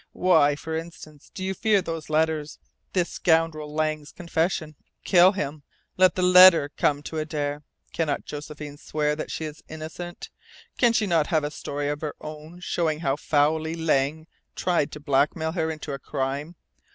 Why, for instance, do you fear those letters this scoundrel Lang's confession? Kill him. Let the letter come to Adare. Cannot Josephine swear that she is innocent? Can she not have a story of her own showing how foully Lang tried to blackmail her into a crime?